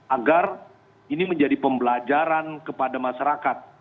agar ini menjadi pembelajaran kepada masyarakat